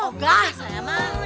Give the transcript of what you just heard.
oh gak saya mau